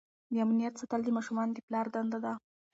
د امنیت ساتل د ماشومانو د پلار دنده ده.